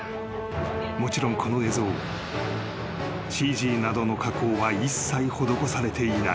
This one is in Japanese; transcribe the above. ［もちろんこの映像ＣＧなどの加工は一切施されていない］